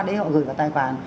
đấy họ gửi vào tài khoản